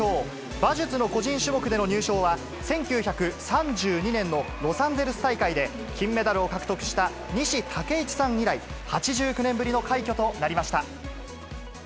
馬術の個人種目での入賞は、１９３２年のロサンゼルス大会で金メダルを獲得した西竹一さん以来、８９年ぶりの快挙となりました。